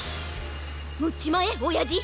うっちまえおやじ！